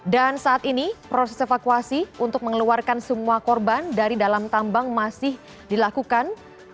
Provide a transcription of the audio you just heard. dan saat ini proses evakuasi untuk mengeluarkan semua korban dari dalam tambang masih dilakukan